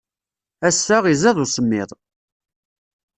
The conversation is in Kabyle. Ass-a, izad usemmiḍ.